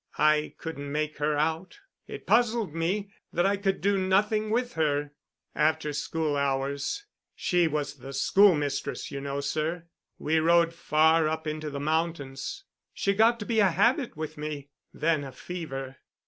I couldn't make her out; it puzzled me that I could do nothing with her. After school hours—she was the schoolmistress, you know, sir—we rode far up into the mountains. She got to be a habit with me; then a fever.